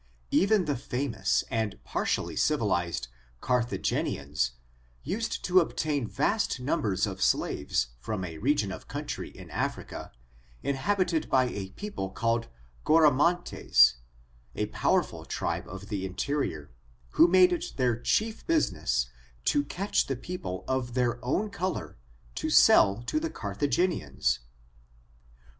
Even the famous, and par tially civilized, Carthagenians used to obtain vast numbers of slaves from a region of country in Africa, inhabited by a people called Goromantes, a powerful tribe of the interior, who made it their chief business to catch the people of their own color, to sell to the Carthagenians.